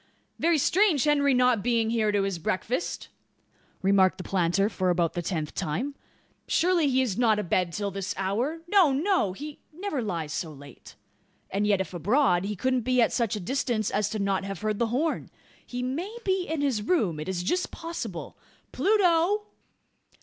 "Very strange Henry not being here to his breakfast!" remarked the planter, for about the tenth time. "Surely he is not abed till this hour? No no he never lies so late. And yet if abroad, he couldn't be at such a distance as not to have heard the horn. He may be in his room? It is just possible. Pluto!"